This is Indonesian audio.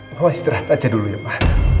mama istirahat aja dulu ya ma